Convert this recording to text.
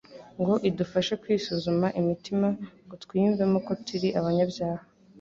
ngo idufashe kwisuzuma imitima ngo twiyumvemo ko turi abanyabyaha